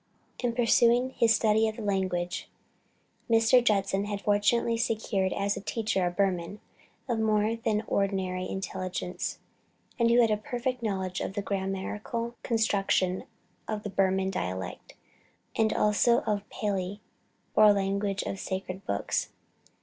In pursuing his study of the language, Mr. Judson had fortunately secured as a teacher a Burman of more than ordinary intelligence, and who had a perfect knowledge of the grammatical construction of the Burman dialect, and also of the Pali, or language of the sacred books.